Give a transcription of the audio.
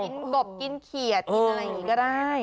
กินกบกินเขียดอะไรอย่างงี้ก็ได้